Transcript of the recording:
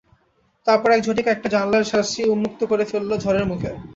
তারপর এক ঝটিকায় একটা জানলার শার্সি উন্মুক্ত করে ফেলল ঝড়ের মুখে।